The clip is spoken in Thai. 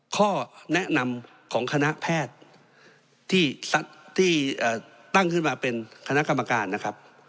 ข้อแนะนำของคณะแพทย์ที่ตั้งขึ้นมาเป็นคณะกรรมการนะครับ